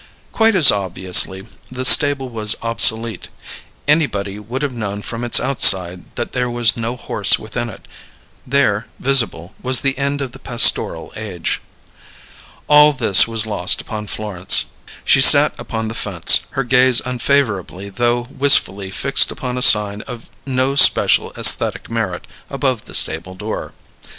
Quite as obviously the stable was obsolete; anybody would have known from its outside that there was no horse within it. There, visible, was the end of the pastoral age. All this was lost upon Florence. She sat upon the fence, her gaze unfavourably though wistfully fixed upon a sign of no special aesthetic merit above the stable door.